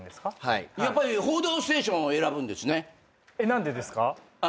何でですか？